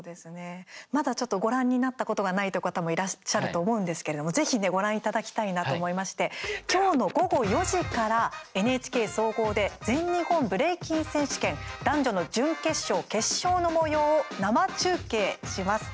まだ、ちょっとご覧になったことがないという方もいらっしゃると思うんですけれどもぜひ、ご覧いただきたいなと思いまして今日の午後４時からＮＨＫ総合で「全日本ブレイキン選手権」男女の準決勝、決勝のもようを生中継します。